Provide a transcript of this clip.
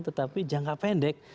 tetapi jangka pendek